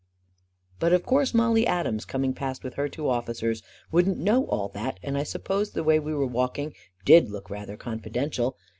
But of course Mollie Adams, coming past with her two officers, wouldn't know all that, and I suppose the way we were walking did look rather confi dential.